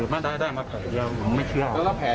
มาแผลกันเดียวผมไม่เชื่อ